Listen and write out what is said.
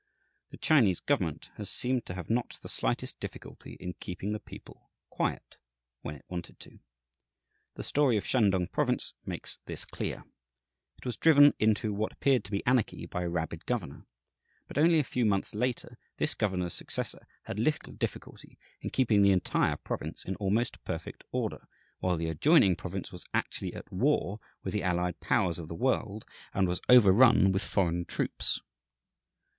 The Chinese government has seemed to have not the slightest difficulty in keeping the people quiet when it wanted to. The story of Shantung Province makes this clear. It was driven into what appeared to be anarchy by a rabid governor. But only a few months later this governor's successor had little difficulty in keeping the entire province in almost perfect order while the adjoining province was actually at war with the allied powers of the world and was overrun with foreign troops.